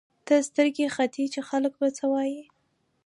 ته سترګې ختې چې خلک به څه وايي.